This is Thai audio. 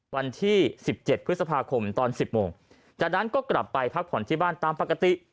วันที่สิบเจ็ดพฤษภาคมตอน๑๐โมงจากนั้นก็กลับไปพักผ่อนที่บ้านตามปกติ